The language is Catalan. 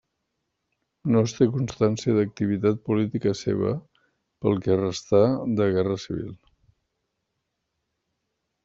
No es té constància d'activitat política seva, pel que restà de Guerra Civil.